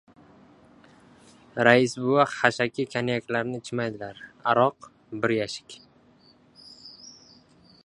Rais bova xashaki konyaklarni ichmaydilar. Aroq — bir yashik.